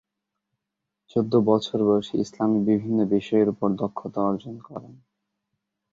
চৌদ্দ বছর বয়সে ইসলামি বিভিন্ন বিষয়ের উপর দক্ষতা অর্জন করেন।